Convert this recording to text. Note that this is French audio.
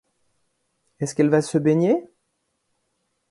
Est-ce qu'elle va se baigner ?